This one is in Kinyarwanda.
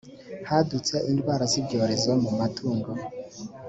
hadutse indwara z’ibyorezo mu matungo